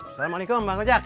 assalamualaikum bang ujak